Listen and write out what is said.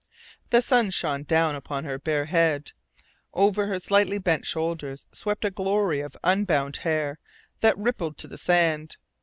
The sun shone down upon her bare head. Over her slightly bent shoulders swept a glory of unbound hair that rippled to the sand.